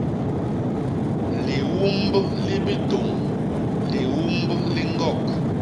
Liumb li bitôñ; liumb li ñgok.